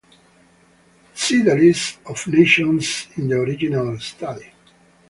See the list of nations in the original study.